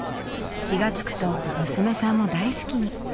気が付くと娘さんも大好きに。